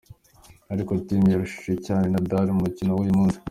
Ariko Thiem yarushije cyane Nadal mu mukino w'uyu munsi.